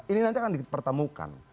ini nanti akan dipertemukan